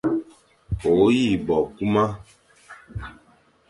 O yi bo kuma,